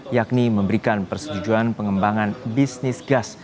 yakni memberikan persetujuan pengembangan bisnis gas